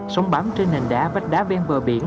sống bám trên nền đá vách đá ven bờ biển